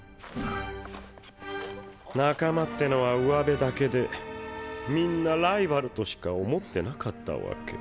仲間ってのはうわべだけでみんなライバルとしか思ってなかったわけ。